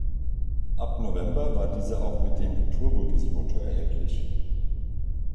Ab November war dieser auch mit dem Turbodieselmotor erhältlich.